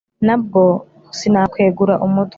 nabwo sinakwegura umutwe